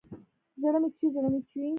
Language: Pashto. زړه مې چوي ، زړه مې چوي